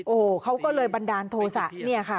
โอ้โฮเขาก็เลยบันดาลโทษะ